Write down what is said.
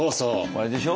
あれでしょ？